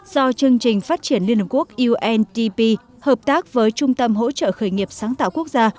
do chương trình phát triển liên hợp quốc undp hợp tác với trung tâm hỗ trợ khởi nghiệp sáng tạo quốc gia